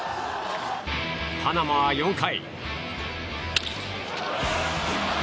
パナマは４回。